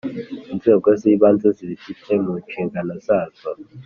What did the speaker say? Inzego z’ Ibanze zibifite munshingano zazo